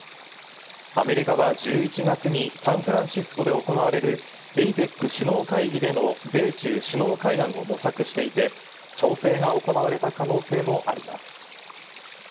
アメリカは１１月にサンフランシスコで行われるＡＰＥＣ首脳会議での米中首脳会談を模索していて、調整が行われた可能性もあります。